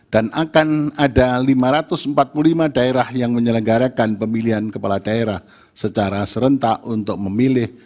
dan akan ada lima ratus empat puluh lima daerah yang menyelenggarakan pemilihan kepala daerah secara serentak untuk memilih